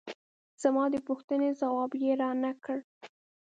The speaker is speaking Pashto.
زما د پوښتنې ځواب یې را نه کړ.